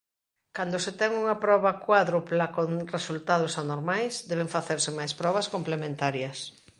Cando se ten unha "proba cuádrupla" con resultados anormais deben facerse máis probas complementarias.